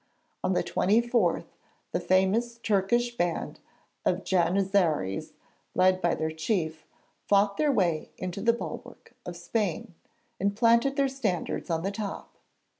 On the 24th the famous Turkish band of Janizaries, led by their chief, fought their way into the bulwark of Spain, and planted their standards on the top.